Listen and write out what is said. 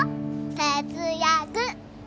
せ・つ・や・く。